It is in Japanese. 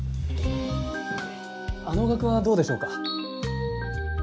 あのがくはどうでしょうか？